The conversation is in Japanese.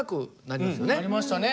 なりましたね！